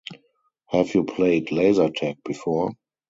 Have you played laser-tag before?